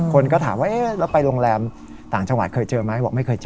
คนก็ถามว่าแล้วไปโรงแรมต่างจังหวัดเคยเจอไหมบอกไม่เคยเจอ